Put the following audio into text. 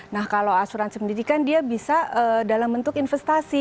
nah kalau asuransi pendidikan dia bisa dalam bentuk investasi